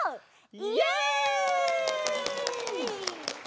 イエイ！